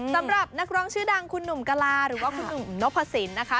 สำหรับนักร้องชื่อดังคุณหนุ่มกะลาหรือว่าคุณหนุ่มนพสินนะคะ